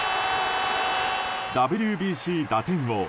ＷＢＣ打点王。